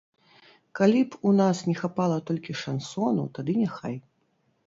Калі б у нас не хапала толькі шансону, тады няхай.